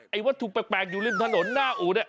วัตถุแปลกอยู่ริมถนนหน้าอู่เนี่ย